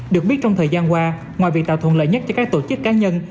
được biết trong thời gian qua ngoài việc tạo thuận lợi nhất cho các tổ chức cá nhân